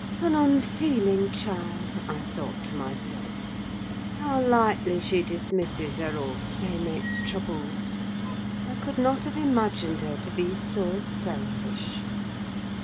"An unfeeling child," I thought to myself; "how lightly she dismisses her old playmate's troubles. I could not have imagined her to be so selfish."